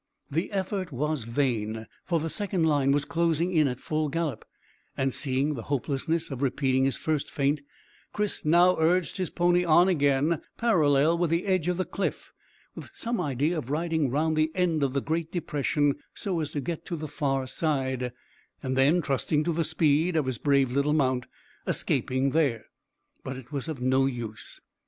The effort was vain, for the second line was closing in at full gallop, and seeing the hopelessness of repeating his first feint, Chris now urged his pony on again parallel with the edge of the cliff, with some idea of riding round the end of the great depression so as to get to the far side, and then, trusting to the speed of his brave little mount, escaping there. But it was of no use.